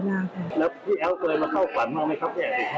แล้วพี่แอลล์ก็เลยมาเข้าขวัญมากไหมครับ